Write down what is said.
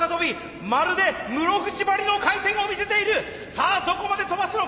さあどこまで跳ばすのか！